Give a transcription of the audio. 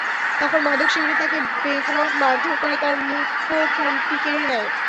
তখন মাদকসেবীরা তাঁকে বেধড়ক মারধর করে এবং তাঁর মুঠোফোনটি কেড়ে নেয়।